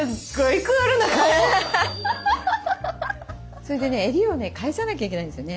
それでね襟をね返さなきゃいけないんですよね。